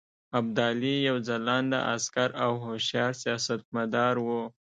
ابدالي یو ځلانده عسکر او هوښیار سیاستمدار وو.